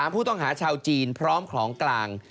ผู้ต้องหาชาวจีนพร้อมของกลาง